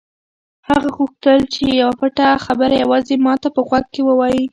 هغه غوښتل چې یوه پټه خبره یوازې ما ته په غوږ کې ووایي.